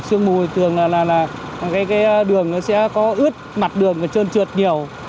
sương mù thì tưởng là đường sẽ có ướt mặt đường và chân trượt nhiều